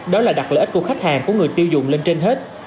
đó là đặt lợi ích của khách hàng của người tiêu dùng lên trên hết